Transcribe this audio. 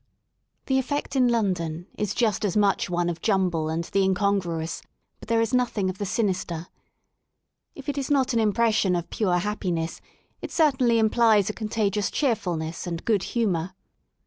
The effect in London is just as much one of jumble and the incongruous, but there is nothing of the sinister. If it is not an impression of pure happiness it certainly implies a contagious cheerfulness and good humour.